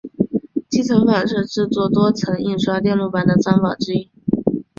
积层法是制作多层印刷电路板的方法之一。